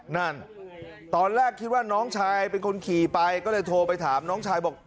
นั่นตอนแรกคิดว่าน้องชายเป็นคนขี่ไปก็เลยโทรไปถามน้องชายบอก